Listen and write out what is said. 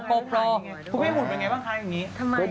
คุณแม่หุ่นเป็นไงบ้างคะอย่างนี้